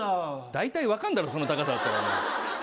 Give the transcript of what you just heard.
だいたい分かるだろその高さだったら。